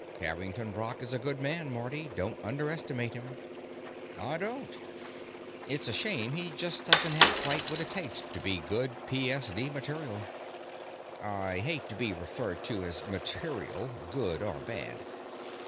"Harrington Brock is a good man, Marty. Don't underestimate him." "I don't. It's a shame he just doesn't have quite what it takes to be good PSD material." "I hate to be referred to as 'material', good or bad.